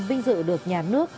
vinh dự được nhà nước